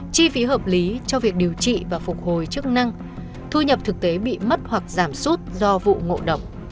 chi phí hợp lý cho việc điều trị và phục hồi chức năng thu nhập thực tế bị mất hoặc giảm sút do vụ ngộ độc